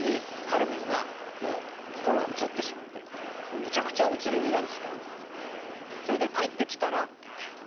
めちゃくちゃ移り気なんですカルメン。